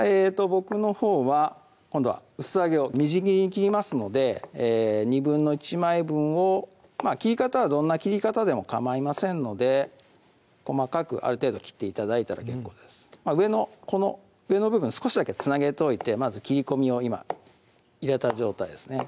僕のほうは今度は薄揚げをみじん切りに切りますので１／２枚分を切り方はどんな切り方でもかまいませんので細かくある程度切って頂いたら結構です上のこの上の部分少しだけつなげといてまず切り込みを今入れた状態ですね